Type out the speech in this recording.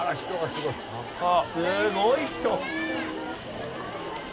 すごい人！